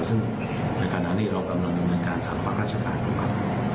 ซึ่งในขณะนั้นนี่เรากำลังดำเนินการสรรพรรคราชการขึ้นมา